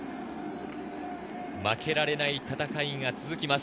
負けられない戦いが続きます。